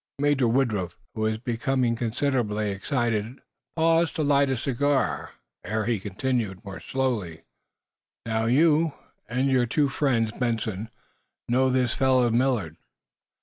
Major Woodruff, who was becoming considerably excited, paused to light a cigar, ere he continued, more slowly: "Now, you and your two friends, Benson, know this fellow Millard.